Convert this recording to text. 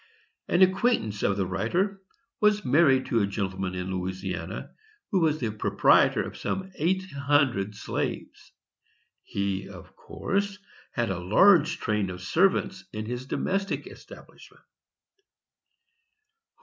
An acquaintance of the writer was married to a gentleman in Louisiana, who was the proprietor of some eight hundred slaves. He, of course, had a large train of servants in his domestic establishment.